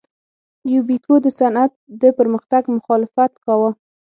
یوبیکو د صنعت د پرمختګ مخالفت کاوه.